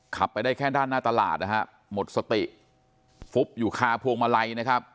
ขับไปได้แค่ด้านหน้าตลาดหมดสติคาพวงมาลัย